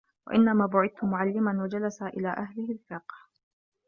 وَإِنَّمَا بُعِثْتُ مُعَلِّمًا وَجَلَسَ إلَى أَهْلِ الْفِقْهِ